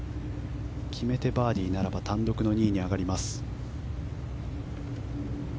決めてバーディーならば単独２位に上がります。